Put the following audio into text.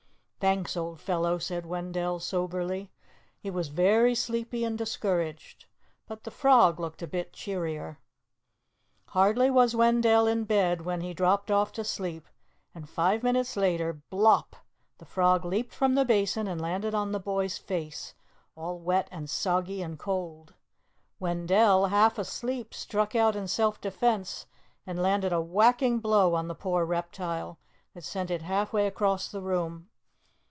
"Thanks, old fellow," said Wendell soberly. He was very sleepy and discouraged. But the frog looked a bit cheerier. Hardly was Wendell in bed when he dropped off to sleep, and five minutes later, blop! the frog leaped from the basin and landed on the boy's face, all wet and soggy and cold. Wendell, half asleep, struck out in self defense, and landed a whacking blow on the poor reptile, that sent it halfway across the room.